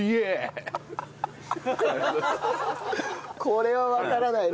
これはわからない。